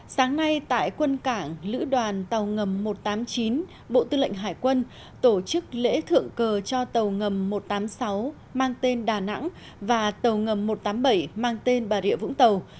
sáng nay tại quân cảng lữ đoàn tàu ngầm một trăm tám mươi chín bộ tư lệnh hải quân tổ chức lễ thượng cờ cho tàu ngầm một trăm tám mươi sáu mang tên đà nẵng và tàu ngầm một trăm tám mươi bảy mang tên bà rịa vũng tàu